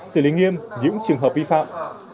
xử lý nghiêm những trường hợp vi phạm